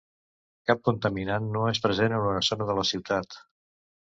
Cap contaminat no és present en una zona de la ciutat.